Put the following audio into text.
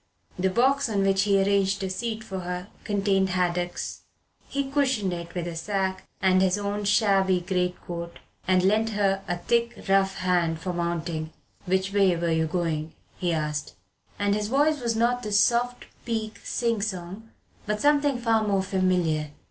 The box on which he arranged a seat for her contained haddocks. He cushioned it with a sack and his own shabby greatcoat, and lent her a thick rough hand for the mounting. "Which way were you going?" he asked, and his voice was not the soft Peak sing song but something far more familiar.